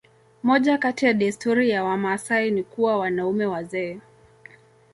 moja kati ya desturi ya wamaasai ni kuwa wanaume wazee